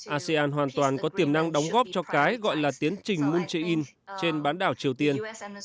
asean hoàn toàn có tiềm năng đóng góp cho cái gọi là tiến trình moon jae in trên bán đảo triều tiên